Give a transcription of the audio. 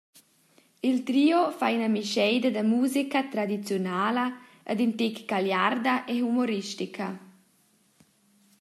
Il trio fa ina mischeida da musica tradiziunala ed in tec gagliarda e humoristica.